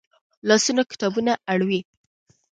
لاسونه کتابونه اړوي